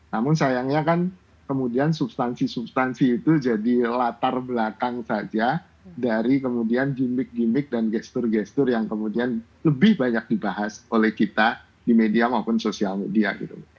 namun sayangnya kan kemudian substansi substansi itu jadi latar belakang saja dari kemudian gimmick gimmick dan gestur gestur yang kemudian lebih banyak dibahas oleh kita di media maupun sosial media